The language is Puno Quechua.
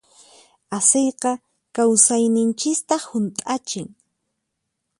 Asiyqa kawsayninchista hunt'achin.